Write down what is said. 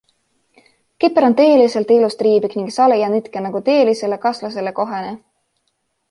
Kipper on tõeliselt ilus triibik ning sale ja nõtke, nagu tõelisele kaslasele kohane!